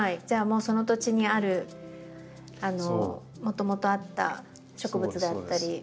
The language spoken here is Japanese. じゃあもうその土地にあるもともとあった植物だったり。